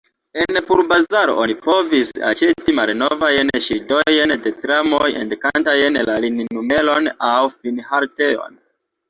En pulbazaro oni povis aĉeti malnovajn ŝildojn de tramoj indikantajn la lininumeron aŭ finhaltejon.